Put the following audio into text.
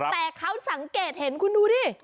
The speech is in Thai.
แต่เขาสังเกตเห็นคุณดูดิ